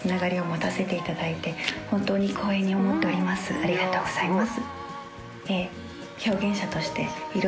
ありがとうございます。